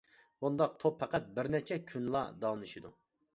بۇنداق توپ پەقەت بىر نەچچە كۈنلا داۋاملىشىدۇ.